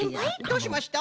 どうしました？